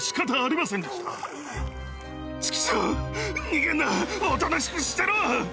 逃げんなおとなしくしてろ！